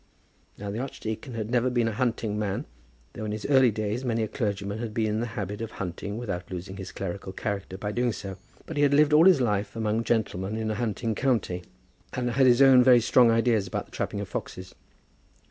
Now the archdeacon had never been a hunting man, though in his early days many a clergyman had been in the habit of hunting without losing his clerical character by doing so; but he had lived all his life among gentlemen in a hunting county, and had his own very strong ideas about the trapping of foxes.